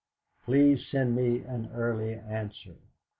"Please send me an early answer.